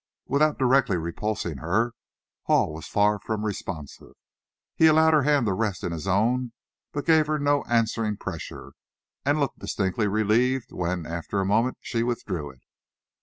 Without directly repulsing her, Hall was far from responsive. He allowed her hand to rest in his own but gave her no answering pressure, and looked distinctly relieved when, after a moment, she withdrew it.